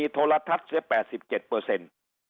ธรรมทัศน์๘๗